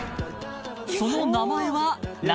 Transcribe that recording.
その名前は何？］